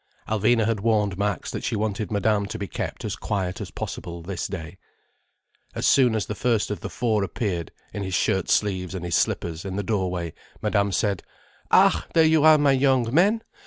Alvina had warned Max that she wanted Madame to be kept as quiet as possible this day. As soon as the first of the four appeared, in his shirt sleeves and his slippers, in the doorway, Madame said: "Ah, there you are, my young men!